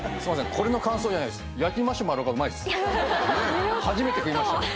これの感想じゃないです。